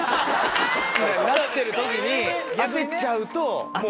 なってる時に焦っちゃうと。